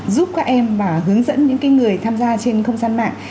giúp các em và hướng dẫn những người tham gia trên không gian mạng